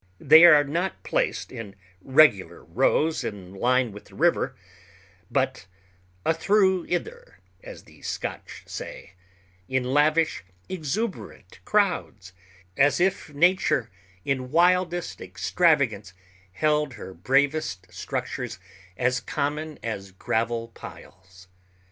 They are not placed in regular rows in line with the river, but "a' through ither," as the Scotch say, in lavish, exuberant crowds, as if nature in wildest extravagance held her bravest structures as common as gravel piles.